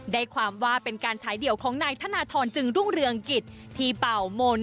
ได้ความว่าเป็นการขายเดี่ยวของนายธนทรจึงรุ่งเรืองกิจที่เป่ามนต์